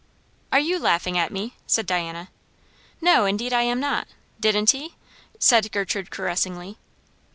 "Are you laughing at me?" said Diana. "No, indeed I am not. Didn't he?" said Gertrude caressingly.